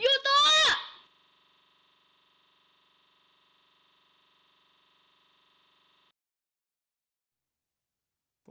อยู่ตัว